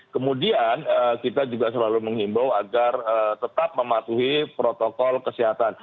kemudian kita juga selalu menghimbau agar tetap mematuhi protokol kesehatan